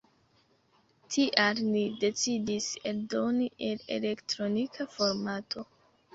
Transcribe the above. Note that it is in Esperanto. Tial ni decidis eldoni en elektronika formato.